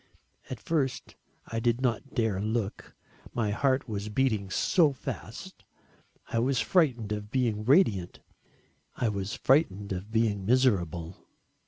At first I did not dare look my heart was beating so fast. I was frightened of being radiant. I was frightened of being miserable.